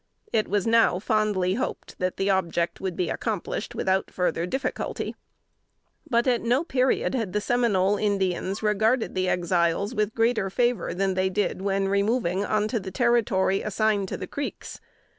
It was now fondly hoped, that that object would be accomplished without further difficulty. But at no period had the Seminole Indians regarded the Exiles with greater favor than they did when removing on to the territory assigned to the Creeks.